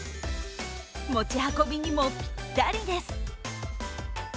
持ち運びにもぴったりです。